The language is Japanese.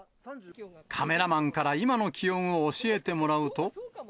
カメラマンから今の気温を教えてもらうと。